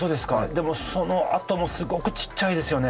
でもその跡もすごくちっちゃいですよね。